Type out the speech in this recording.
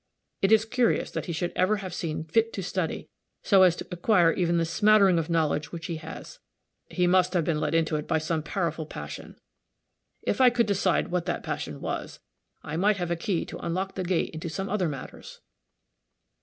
It is curious that he should ever have seen fit to study, so as to acquire even the smattering of knowledge which he has. He must have been led into it by some powerful passion. If I could decide what that passion was, I might have a key to unlock the gate into some other matters."